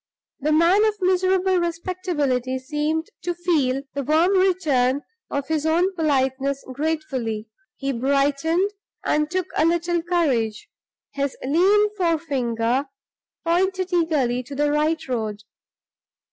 The man of miserable respectability seemed to feel the warm return of his own politeness gratefully; he brightened and took a little courage. His lean forefinger pointed eagerly to the right road.